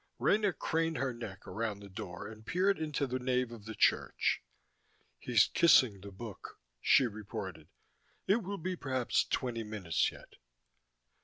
IX Rena craned her neck around the door and peered into the nave of the church. "He's kissing the Book," she reported. "It will be perhaps twenty minutes yet."